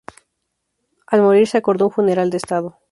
Al morir, se acordó un funeral de Estado.